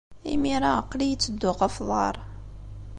Imir-a, aql-iyi ttedduɣ ɣef uḍar.